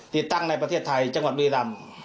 ติดตั้งภายในประเทศไทยจังหวัดเปลี่ยรัม